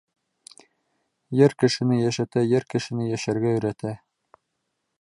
Йыр кешене йәшәтә, йыр кешене йәшәргә өйрәтә.